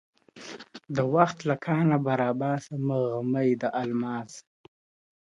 د وخت له کانه به را باسمه غمي د الماس،